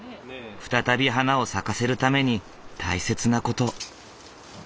再び花を咲かせるために大切な事。